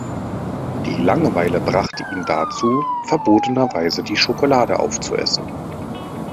Die Langeweile brachte ihn dazu, verbotenerweise die Schokolade auf zu essen.